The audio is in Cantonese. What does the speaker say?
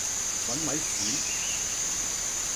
揾位閃